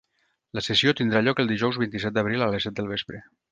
La sessió tindrà lloc el dijous vint-i-set d’abril a les set del vespre.